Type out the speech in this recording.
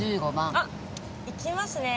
あっ行きますね。